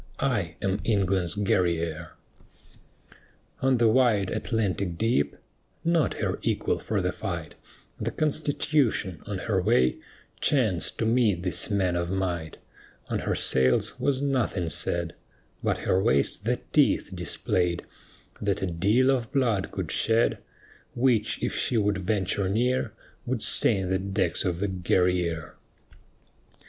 I am England's Guerrière." On the wide, Atlantic deep (Not her equal for the fight) The Constitution, on her way, Chanced to meet these men of might; On her sails was nothing said, But her waist the teeth displayed That a deal of blood could shed, Which, if she would venture near, Would stain the decks of the Guerrière.